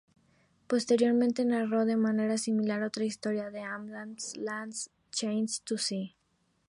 Posteriormente narró de manera similar otra historia de Adams, "Last Chance to See".